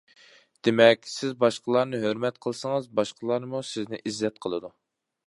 دېمەك، سىز باشقىلارنى ھۆرمەت قىلسىڭىز، باشقىلارمۇ سىزنى ئىززەت قىلىدۇ.